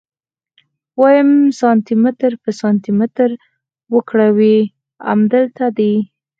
ويم سانتي متر په سانتي متر وګروئ امدلته دي.